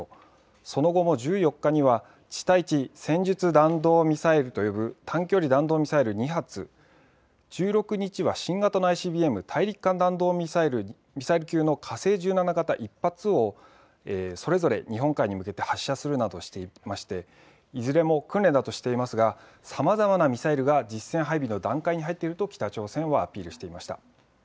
その後も１４日には地対地戦術弾道ミサイルと呼ぶ短距離弾道ミサイル２発、１６日は新型のＩＣＢＭ・大陸間弾道ミサイル級の火星１７型１発をそれぞれ日本海に向けて発射するなどしていていずれも訓練だとしていますがさまざまなミサイルが実戦配備の段階に入っていると北朝鮮はアピールしていました。